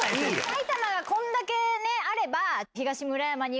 埼玉がこんだけあれば。